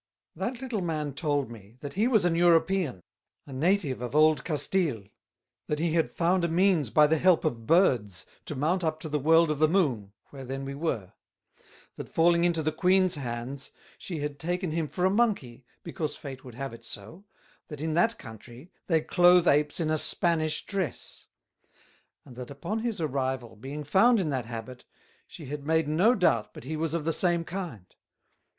That little Man told me, that he was an European, a Native of old Castille: That he had found a means by the help of Birds to mount up to the World of the Moon, where then we were: That falling into the Queen's Hands, she had taken him for a Monkey, because Fate would have it so, That in that Country they cloath Apes in a Spanish Dress; and that upon his arrival, being found in that habit, she had made no doubt but he was of the same kind.